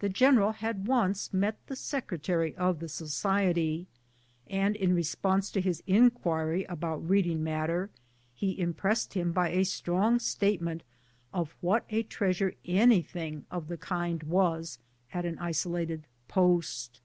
The general liad once met the secretary of tlie society, and in re sponse to his inquiry about reading matter, he impressed him by a strong statement of what a treasure anything of the kind was at an isolated post.